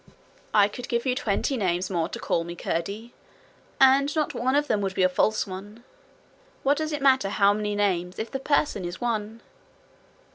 'I could give you twenty names more to call me, Curdie, and not one of them would be a false one. What does it matter how many names if the person is one?'